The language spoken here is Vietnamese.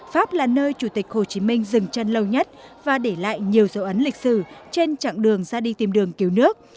pháp là nơi chủ tịch hồ chí minh dừng chân lâu nhất và để lại nhiều dấu ấn lịch sử trên chặng đường ra đi tìm đường cứu nước